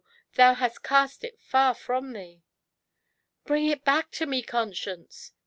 thou hast cast it far from thee." "Bring it back to me, Conscience!"